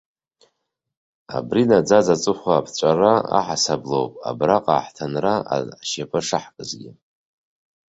Абри наӡаӡа аҵыхәа аԥҵәара аҳасабалоуп абраҟа аҳҭынра ашьапы шаҳкызгьы.